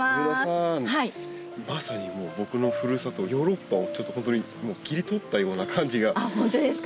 まさに僕のふるさとヨーロッパをちょっと本当に切り取ったような感じが本当ですか。